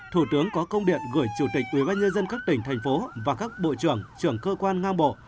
thủ tướng có công điện gửi chủ tịch ubnd các tỉnh thành phố và các bộ trưởng trưởng cơ quan ngang bộ